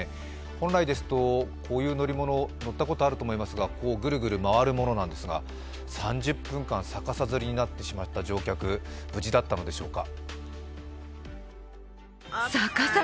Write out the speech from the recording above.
本来ですと、こういう乗り物、乗ったことあると思いますが、ぐるぐる回るものなんですが３０分間逆さづりになってしまった乗客、無事だったのでしょうか。